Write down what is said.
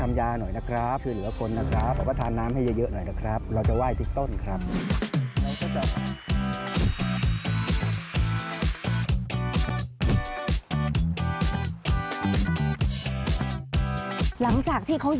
เมืองบังละภูรี